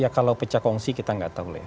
ya kalau pecahkongsi kita nggak tahu